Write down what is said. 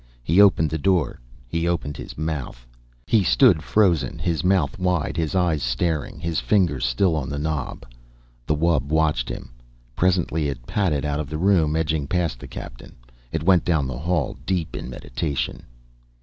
He opened the door. He opened his mouth. He stood frozen, his mouth wide, his eyes staring, his fingers still on the knob. The wub watched him. Presently it padded out of the room, edging past the Captain. It went down the hall, deep in meditation.